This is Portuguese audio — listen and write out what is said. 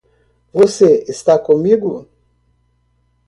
Você está comigo.